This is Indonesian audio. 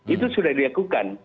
itu sudah dilakukan